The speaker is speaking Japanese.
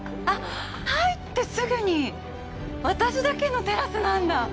入ってすぐに私だけのテラスなんだ。